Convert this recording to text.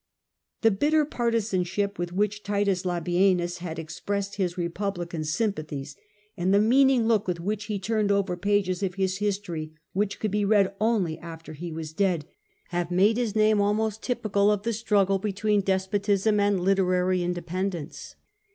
The bitter partisanship with which Titus Labienus had expressed his republican sympathies, and 36 The Earlier Empire. B.c. 31 talis en forced against authors. Ovid. the meaning look with which he turned over pages of his history, which could be read only after he was dead, have made his name almost typical of the struggle between despotism and literary independence.